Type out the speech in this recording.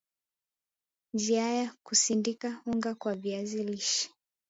Njiaya kusindika unga wa viazi lish